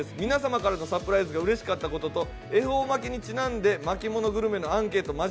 皆様からのサプライズがうれしかったことと、恵方巻にちなんで巻物グルメのアンケート